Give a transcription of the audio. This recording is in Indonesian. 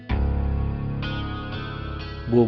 bangu nampak di belakang